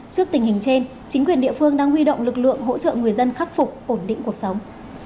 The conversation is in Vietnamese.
trước tình hình trên chính quyền địa phương đang huy động lực lượng hỗ trợ người dân khắc phục ổn định cuộc sống